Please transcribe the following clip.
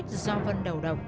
chứng minh chết do vân đầu độc